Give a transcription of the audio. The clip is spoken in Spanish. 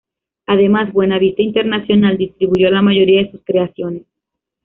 Además Buena Vista International distribuyó la mayoría de sus creaciones.